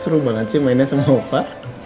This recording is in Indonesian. seru banget sih mainnya sama opa